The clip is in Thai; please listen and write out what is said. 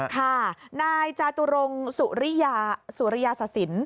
ค่ะนายจาตุรงสุริยาศสิน